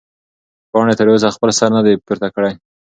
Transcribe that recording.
پاڼې تر اوسه خپل سر نه دی پورته کړی.